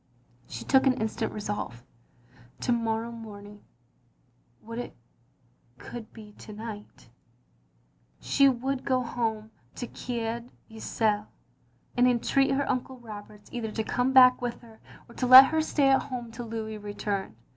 She took an instant resolve. To morrow morn ing — ^would it could be to night — she would go home to Coed Ithel, and entreat her Uncle Roberts either to come back with her, or to let her stay at home till Louis returned.